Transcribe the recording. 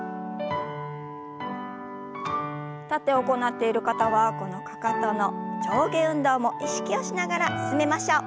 立って行っている方はこのかかとの上下運動も意識をしながら進めましょう。